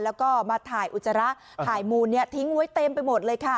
แล้วก็มาถ่ายอุจจาระถ่ายมูลทิ้งไว้เต็มไปหมดเลยค่ะ